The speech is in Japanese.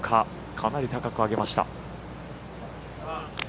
かなり高く上げました。